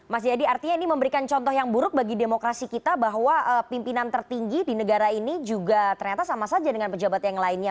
mas jayadi artinya ini memberikan contoh yang buruk bagi demokrasi kita bahwa pimpinan tertinggi di negara ini juga ternyata sama saja dengan pejabat yang lainnya